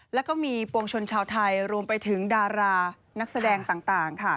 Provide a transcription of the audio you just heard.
แล้วก็มีปวงชนชาวไทยรวมไปถึงดารานักแสดงต่าง